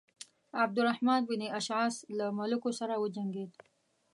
عبدالرحمن بن اشعث له ملوکو سره وجنګېد.